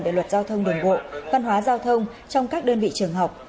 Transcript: về luật giao thông đường bộ văn hóa giao thông trong các đơn vị trường học